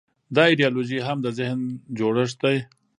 دا ایدیالوژي هم د ذهن جوړښت دی.